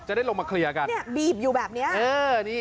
จะได้ลงมาเคลียร์กัน